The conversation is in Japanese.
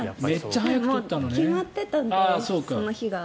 でも、決まってたのでその日が。